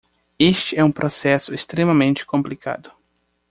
Este é um processo extremamente complicado.